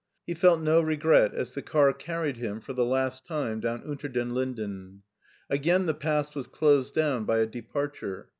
He felt no regret as the car carried him for the last time down Unter den Linden. Again the past was closed down by a departure.